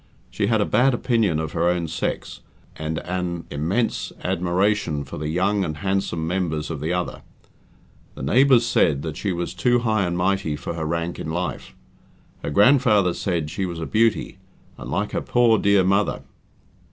She had a bad opinion of her own sex, and an immense admiration for the young and handsome members of the other. The neighbours said that she was too high and mighty for her rank in life. Her grandfather said she was a "beauty", and like her poor dear mother.